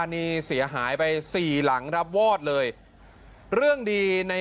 นี่ขนาดหลังเล็กนะ